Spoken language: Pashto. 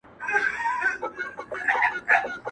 هغه چي هيڅوک نه لري په دې وطن کي~